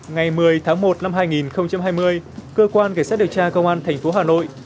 ngày một mươi tháng một năm hai nghìn hai mươi cơ quan cảnh sát điều tra công an thành phố hà nội